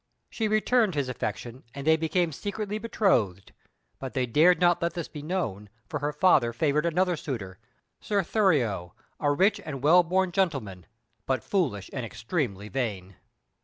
She returned his affection, and they became secretly betrothed, but they dared not let this be known, for her father favoured another suitor, Sir Thurio, a rich and well born gentleman, but foolish and extremely vain.